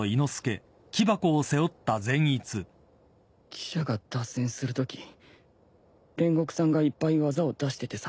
汽車が脱線するとき煉獄さんがいっぱい技を出しててさ。